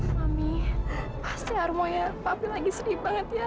mami pasti armoya papi lagi sedih banget ya